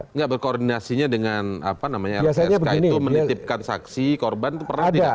enggak berkoordinasinya dengan apa namanya lpsk itu menitipkan saksi korban itu pernah tidak